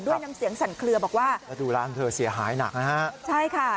น้ำเสียงสั่นเคลือบอกว่าแล้วดูร้านเธอเสียหายหนักนะฮะใช่ค่ะ